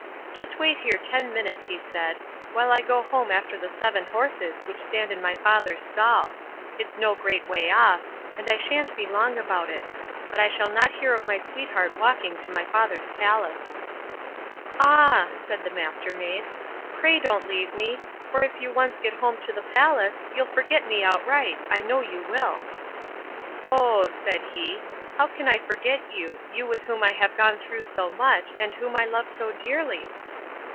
"Just wait here ten minutes", he said, "while I go home after the seven horses which stand in my father's stall. It's no great way off, and I shan't be long about it; but I will not hear of my sweetheart walking to my father's palace." "Ah!" said the Mastermaid, "pray don't leave me, for if you once get home to the palace, you'll forget me outright; I know you will." "Oh!" said he, "how can I forget you; you with whom I have gone through so much, and whom I love so dearly?"